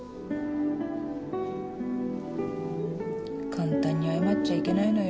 簡単に謝っちゃいけないのよ。